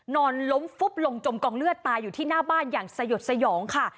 นอนล้มฟุบลงจมกองเลือดตายอยู่ที่หน้าบ้านอย่างสยดสยองค่ะ